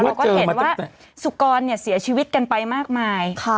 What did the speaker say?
เราก็เห็นว่าสุกรเสียชีวิตกันไปมากมาย